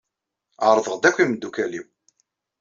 Ɛerḍeɣ-d akk imeddukal-inu.